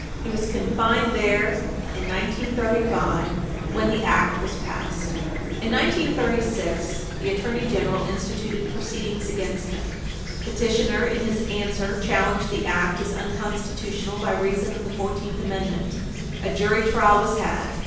He was confined there in 1935 when the Act was passed. In 1936, the Attorney General instituted proceedings against him. Petitioner, in his answer, challenged the Act as unconstitutional by reason of the Fourteenth Amendment. A jury trial was had.